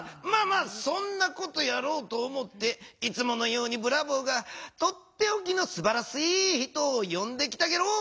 そんなことやろうと思っていつものようにブラボーがとっておきのすばらしい人をよんできたゲロ。